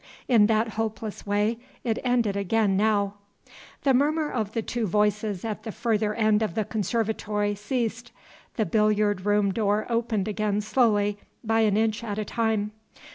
In that hopeless way it ended again now. The murmur of the two voices at the further end of the conservatory ceased. The billiard room door opened again slowly, by an inch at a time.